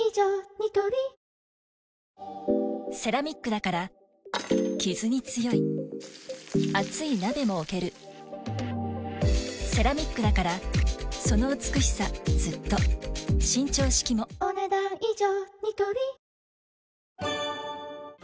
ニトリセラミックだからキズに強い熱い鍋も置けるセラミックだからその美しさずっと伸長式もお、ねだん以上。